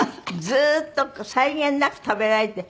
ずっと際限なく食べられて。